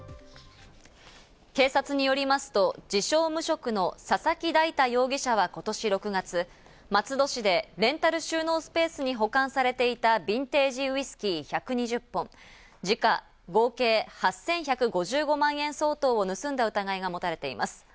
警察によりますと、自称無職の佐々木大太容疑者は今年６月、松戸市でレンタル収納スペースに保管されていたビンテージウイスキー１２０本、時価合計８１５５万円相当を盗んだ疑いが持たれています。